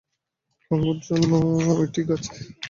গাঙুর জন্য ওই ঠিক আছে।